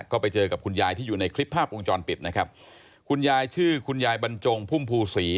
ก็ไปเจอกับคุณยายที่อยู่ในคลิปภาพวงจรปิดนะครับคุณยายชื่อคุณยายบรรจงพุ่มภูศรี